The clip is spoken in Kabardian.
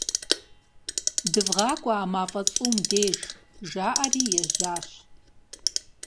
ДывгъакӀуэ, а мафӀэ цӀум деж, - жаӀэри ежьащ.